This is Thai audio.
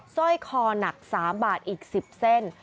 สร้อยคอหนัก๓บาทอีก๑๐เส้น